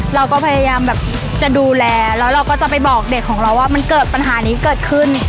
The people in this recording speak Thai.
เราก็พยายามแบบจะดูแลแล้วเราก็จะไปบอกเด็กของเราว่ามันเกิดปัญหานี้เกิดขึ้น